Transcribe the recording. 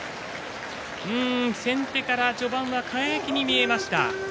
先手から序盤は輝に見えました。